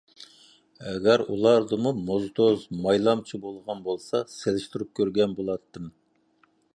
ئەگەر ئۇلاردىمۇ موزدۇز، مايلامچى بولغان بولسا سېلىشتۇرۇپ كۆرگەن بولاتتىم.